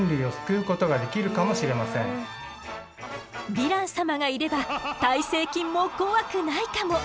ヴィラン様がいれば耐性菌も怖くないかも。